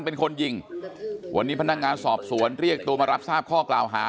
เป็นคนยิงวันนี้พนักงานสอบสวนเรียกตัวมารับทราบข้อกล่าวหา